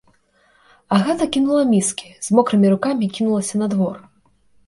Агата кінула міскі, з мокрымі рукамі кінулася на двор.